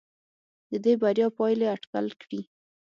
د دې بریا پایلې اټکل کړي.